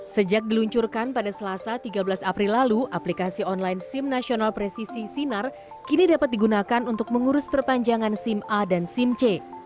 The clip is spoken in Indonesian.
sejak diluncurkan pada selasa tiga belas april lalu aplikasi online sim nasional presisi sinar kini dapat digunakan untuk mengurus perpanjangan sim a dan sim c